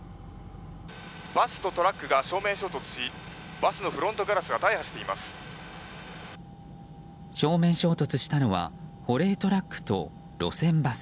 バスとトラックが正面衝突しバスのフロントガラスが大破しています。